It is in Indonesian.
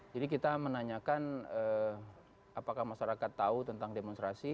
jadi kita menanyakan apakah masyarakat tahu tentang demonstrasi